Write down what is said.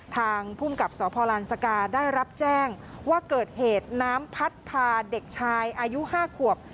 ทางภูมิกับสพลานสกาได้รับแจ้งว่าเกิดเหตุน้ำพัดพาเด็กชายอายุ๕ขวบ